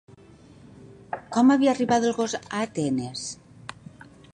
Com havia arribat el gos a Atenes?